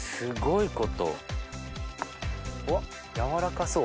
うわっ軟らかそう。